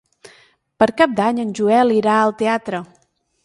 Per Cap d'Any en Joel irà al teatre.